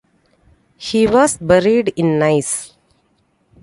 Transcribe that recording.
He was buried in Nice.